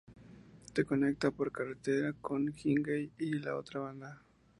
Se conecta por carretera con Higüey y La Otra Banda.